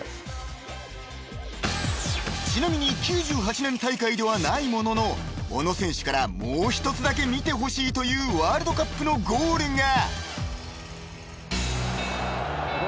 ［ちなみに９８年大会ではないものの小野選手からもう一つだけ見てほしいというワールドカップのゴールが］